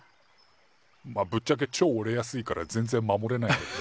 まあぶっちゃけちょ折れやすいから全然守れないんだけどね。